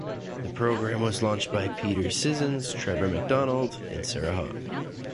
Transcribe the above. The programme was launched by Peter Sissons, Trevor McDonald and Sarah Hogg.